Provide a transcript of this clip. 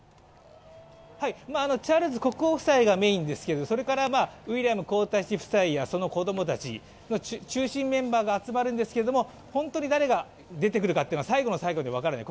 チャールズ国王夫妻がメインですけどそれからウィリアム皇太子夫妻やその子供たち、中心メンバーが集まるんですけれども本当に誰が出てくるかというのは最後の最後まで分からない